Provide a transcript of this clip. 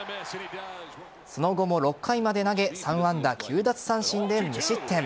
その後も６回まで投げ３安打９奪三振で無失点。